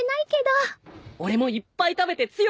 俺もいっぱい食べて強くなります！